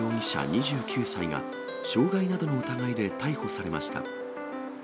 ２９歳が、傷害などの疑いで逮捕されました。